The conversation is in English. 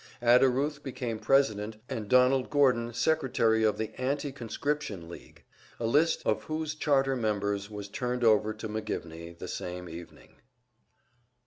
Ada Ruth became president and Donald Gordon secretary of the "Anti conscription League" a list of whose charter members was turned over to McGivney the same evening.